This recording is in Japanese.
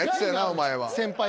お前は。